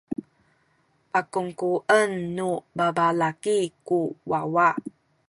pakungkuen nu babalaki ku wawa.